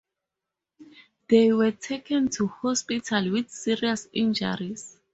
They were taken to hospital with serious injuries.